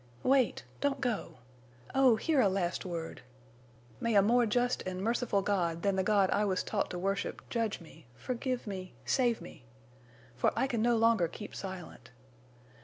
"Wait! Don't go! Oh, hear a last word!... May a more just and merciful God than the God I was taught to worship judge me—forgive me—save me! For I can no longer keep silent!...